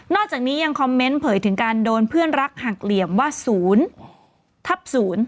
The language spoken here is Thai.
นอกจากนี้ยังคอมเมนต์เผยถึงการโดนเพื่อนรักหักเหลี่ยมว่า๐ทับ๐